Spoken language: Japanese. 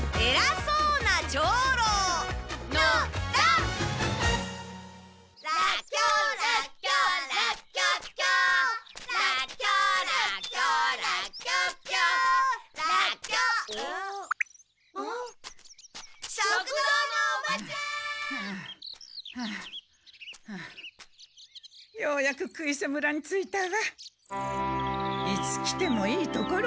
いつ来てもいいところね。